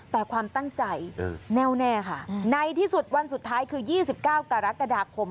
แต่ความตั้งใจแน่วแน่ค่ะในที่สุดวันสุดท้ายคือ๒๙กรกฎาคม